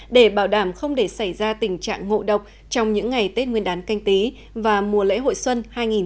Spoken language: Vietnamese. để bảo đảm không để xảy ra tình trạng ngộ độc trong những ngày tết nguyên đán canh tí và mùa lễ hội xuân hai nghìn hai mươi